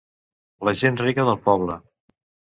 La gent rica del poble.